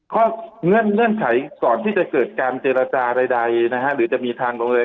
เงื่อนไขก่อนที่จะเกิดการเจรจาใดนะฮะหรือจะมีทางโรงเรียน